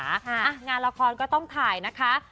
งานละครก็ต้องถ่ายนะคะ